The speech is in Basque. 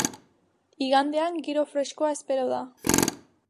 Igandean giro freskoa espero da.